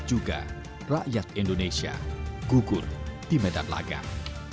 dan juga rakyat indonesia gugur di medan lagang